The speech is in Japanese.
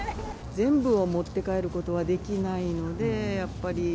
全部を持って帰ることはできないので、やっぱり。